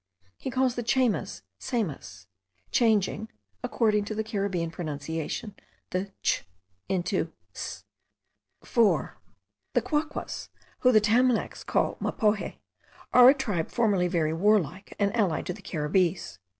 He calls the Chaymas, Saimas, changing (according to the Caribbean pronunciation) the ch into s.) 4. The Quaquas, whom the Tamanacs call Mapoje, are a tribe formerly very warlike and allied to the Caribbees.